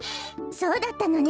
そうだったのね。